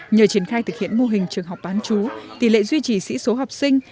nhờ triển khai thực hiện mô hình trường học bán chú tỷ lệ duy trì sĩ số học sinh